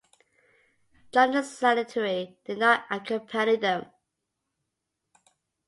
John the Silentiary did not accompany them.